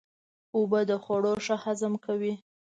اوبه د خوړو ښه هضم کوي.